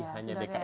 hanya dki jakarta